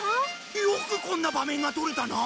よくこんな場面が撮れたな。